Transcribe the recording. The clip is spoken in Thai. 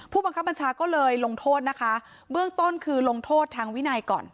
บังคับบัญชาก็เลยลงโทษนะคะเบื้องต้นคือลงโทษทางวินัยก่อน